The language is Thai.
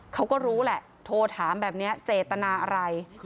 เขาก็รู้แหละโทรถามแบบนี้เจตนาอะไร